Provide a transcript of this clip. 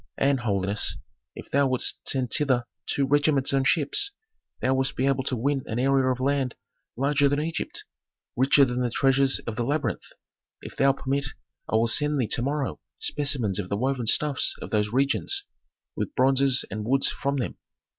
And, holiness, if thou wouldst send thither two regiments on ships, thou wouldst be able to win an area of land larger than Egypt, richer than the treasures of the labyrinth. If thou permit, I will send thee to morrow specimens of the woven stuffs of those regions, with bronzes and woods from them.